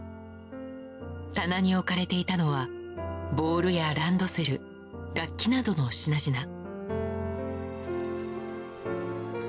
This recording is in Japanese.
棚に置かれていたのはボールやランドセル楽器などの品々。